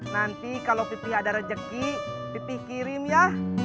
nanti kalau pipih ada rezeki pipih kirim ya